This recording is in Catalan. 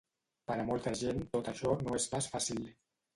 Per a molta gent tot això no és pas fàcil.